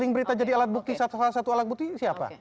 berita jadi alat bukti salah satu alat buktinya siapa